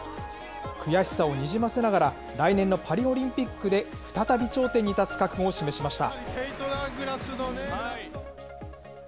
悔しさをにじませながら、来年のパリオリンピックで再び頂点に立つ覚悟を示しました。